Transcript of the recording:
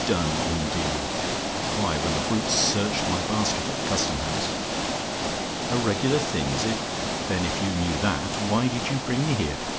Done, indeed! "Why, when the brutes searched my basket at the Custom House! "A REGULAR THING, IS IT? "Then if you knew that, why did you bring me here?